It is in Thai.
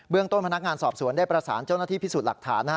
ต้นพนักงานสอบสวนได้ประสานเจ้าหน้าที่พิสูจน์หลักฐาน